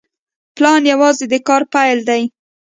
پلان یوازې د کار پیل دی.